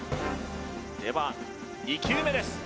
では２球目です